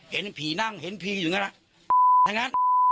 เห็นผีนั่งเห็นผีอยู่ไงละ